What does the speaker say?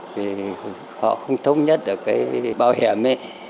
thì họ không thống nhất được cái bảo hiểm ấy